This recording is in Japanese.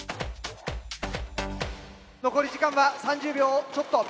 残り時間は３０秒ちょっと。